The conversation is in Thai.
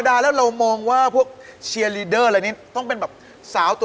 นี่ตัวหลับไม่น่าไหว